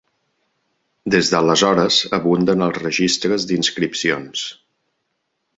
Des d'aleshores abunden els registres d'inscripcions.